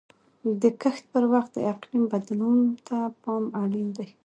د کښت پر وخت د اقلیم بدلون ته پام اړین دی.